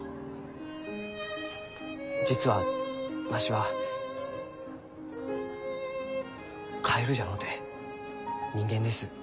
実はわしはカエルじゃのうて人間です。